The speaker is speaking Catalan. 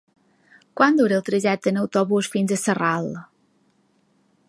Quant dura el trajecte en autobús fins a Sarral?